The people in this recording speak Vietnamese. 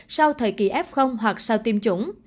sau thời kỳ f hoặc sau tiêm chủng